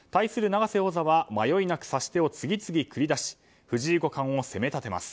永瀬王座は迷いなく指し手を次々繰り出し藤井五冠を攻め立てます。